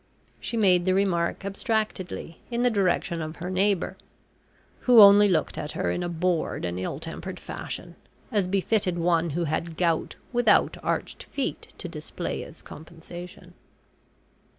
She made the remark, abstractedly, in the direction of her neighbour, who only looked at her in a bored and ill tempered fashion, as befitted one who had gout without arched feet to display as compensation.